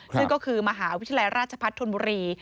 ซึ่งก็คือมหาวิทยาลัยราชพัฒนธนบุรี